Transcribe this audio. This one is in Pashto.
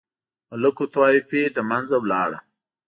ملوک الطوایفي له منځه ولاړه.